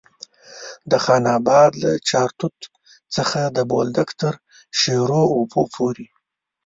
د خان اباد له چارتوت څخه د بولدک تر شیرو اوبو پورې.